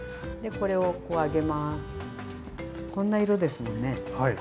こんな色ですもんね。